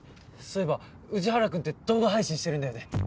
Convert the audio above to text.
そういえば宇治原くんって動画配信してるんだよね？